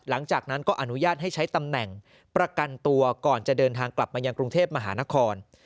หลังจากนั้นก็อนุญาตให้ใช้ตำแหน่งประกันตัวก่อนจะเดินทางกลับมายังกรุงเทพมหานคร